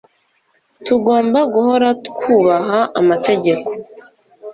Tugomba guhora twubaha amategeko